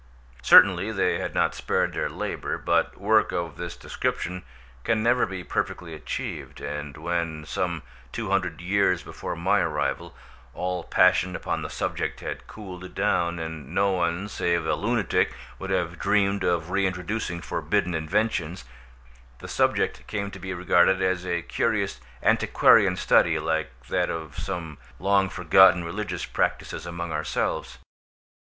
Certainly they had not spared their labour, but work of this description can never be perfectly achieved, and when, some two hundred years before my arrival, all passion upon the subject had cooled down, and no one save a lunatic would have dreamed of reintroducing forbidden inventions, the subject came to be regarded as a curious antiquarian study, like that of some long forgotten religious practices among ourselves.